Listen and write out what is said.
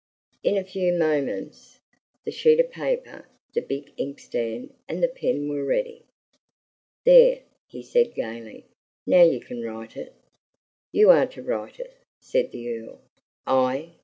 In a few moments, the sheet of paper, the big inkstand, and the pen were ready. "There!" he said gayly, "now you can write it." "You are to write it," said the Earl. "I!"